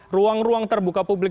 itu punya ruang ruang terbuka publik